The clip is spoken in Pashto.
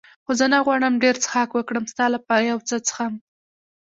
خو زه نه غواړم ډېر څښاک وکړم، ستا لپاره یو څه څښم.